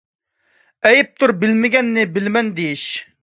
ئەيىبتۇر بىلمىگەننى بىلىمەن دېيىش.